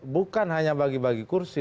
bukan hanya bagi bagi kursi